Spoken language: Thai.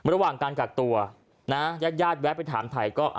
ระหว่างการกักตัวยาดแวะไปถามไทยก็